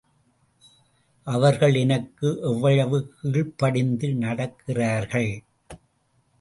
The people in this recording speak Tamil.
அவர்கள் எனக்கு எவ்வளவு கீழ்ப்படிந்து நடக்கிறார்கள்?